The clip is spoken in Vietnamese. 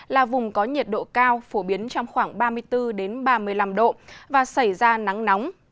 là vùng có nhiệt độ cao phổ biến trong khoảng ba mươi bốn ba mươi năm độ và xảy ra nắng nóng